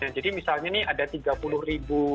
jadi misalnya nih ada tiga puluh ribu